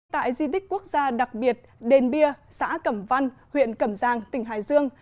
tại di tích quốc gia đặc biệt đền bia xã cẩm văn huyện cẩm giang tỉnh hải dương